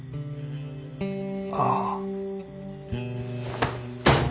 ああ。